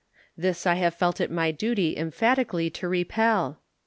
This I have felt it my duty emphatically to repel.